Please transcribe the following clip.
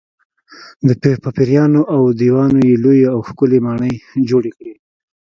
په پېریانو او دیوانو یې لویې او ښکلې ماڼۍ جوړې کړې.